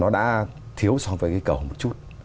nó đã thiếu so với cái cầu một chút